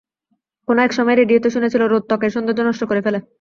কোন এক সময় রেডিওতে শুনেছিল- রোদ ত্বকের সৌন্দর্য নষ্ট করে ফেলে।